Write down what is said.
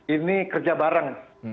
ini kerja bareng